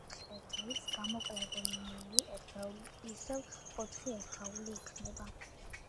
ოთხ ერთეულს გამოკლებული ნული ერთეული ისევ ოთხი ერთეული იქნება.